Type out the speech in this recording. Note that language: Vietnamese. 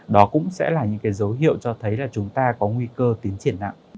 đó cũng sẽ là những cái dấu hiệu cho thấy là chúng ta có nguy cơ tiến triển nặng